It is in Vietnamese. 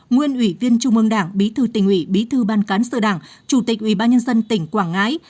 nguyên ủy viên trung ương đảng bí thư tỉnh ủy bí thư ban cán sự đảng chủ tịch ủy ban nhân dân tỉnh quảng ngãi